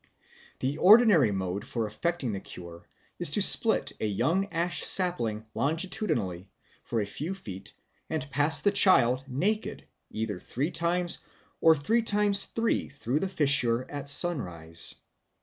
The ordinary mode of effecting the cure is to split a young ash sapling longitudinally for a few feet and pass the child, naked, either three times or three times three through the fissure at sunrise.